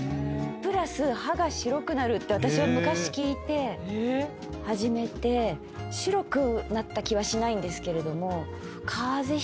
プラス歯が白くなるって私は昔聞いて始めて白くなった気はしないんですけれども。